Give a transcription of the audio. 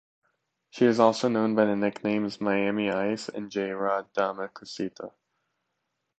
She is also known by the nicknames Miami Ice and J-Rod "dame cucita".